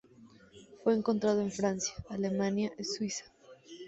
Fue encontrado en Francia, Alemania y Suiza.